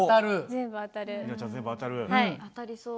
当たりそう。